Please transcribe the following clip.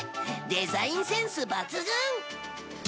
デザインセンス抜群！